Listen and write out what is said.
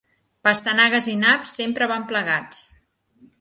Pastanagues i naps sempre van plegats.